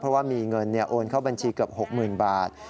เพราะว่ามีเงินโอนเข้าบัญชีเกือบ๖๐๐๐บาท